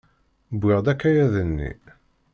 Wwiɣ-d akayad-nni!